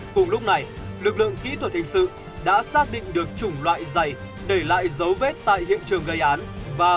cùng lúc này lực lượng kỹ thuật hình sự đã xác định được chủng loại dày để lại dấu vết tại hiện trường gây án